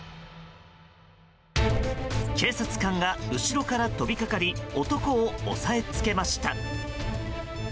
警察官が後ろから飛びかかり男を押さえつけました。